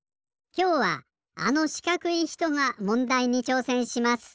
きょうはあのしかくいひとがもんだいにちょうせんします。